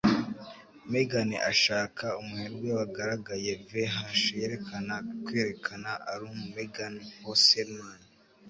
Megan Ashaka Umuherwe wagaragaye VH yerekana kwerekana alum Megan Hauserman.